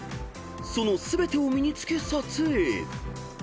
［その全てを身に着け撮影］